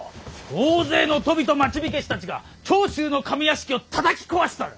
大勢の鳶と町火消したちが長州の上屋敷をたたき壊しておる。